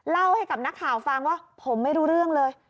เล่าให้กับนักข่าวฟังว่าผมไม่รู้เรื่องเลย